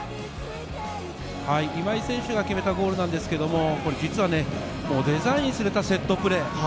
今井選手が決めたゴールですが、実はデザインされたセットプレー。